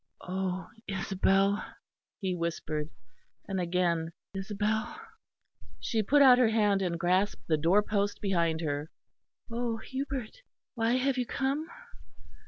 "Oh! Isabel!" he whispered; and again, "Isabel!" She put out her hand and grasped the door post behind her. "Oh! Hubert! Why have you come?"